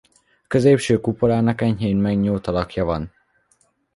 A középső kupolának enyhén megnyúlt alakja van.